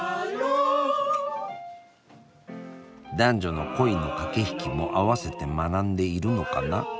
男女の恋の駆け引きも併せて学んでいるのかな。